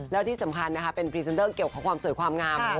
แล้วที่สำคัญนะคะเป็นพรีเซนเตอร์เกี่ยวกับความสวยความงาม